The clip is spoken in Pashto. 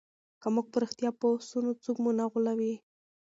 که موږ په رښتیا پوه سو نو څوک مو نه غولوي.